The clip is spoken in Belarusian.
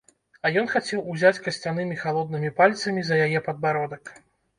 А ён хацеў узяць касцянымі халоднымі пальцамі за яе падбародак.